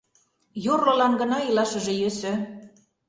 Йорлылан гына илашыже йӧсӧ.